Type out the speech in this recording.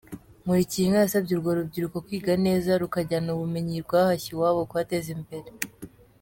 Nkulikiyinka yasabye urwo rubyiruko kwiga neza, rukazajyana ubumenyi rwahashye iwabo kuhateza imbere.